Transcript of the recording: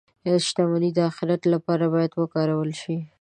• شتمني د آخرت لپاره باید وکارول شي.